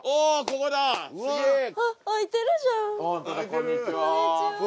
こんにちは。